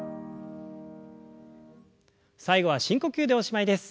最後は深呼吸でおしまいです。